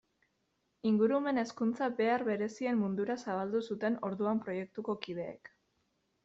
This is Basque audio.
Ingurumen hezkuntza behar berezien mundura zabaldu zuten orduan proiektuko kideek.